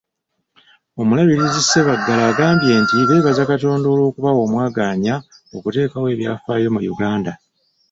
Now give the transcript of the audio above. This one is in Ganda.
Omulabirizi Ssebaggala agambye nti beebaza Katonda olw'okubawa omwaganya okuteekawo ebyafaayo mu Uganda.